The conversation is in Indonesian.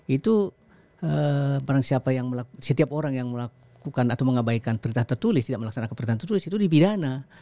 itu setiap orang yang melakukan atau mengabaikan perintah tertulis tidak melaksanakan perintah tertulis itu dipidana